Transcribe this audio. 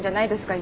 今。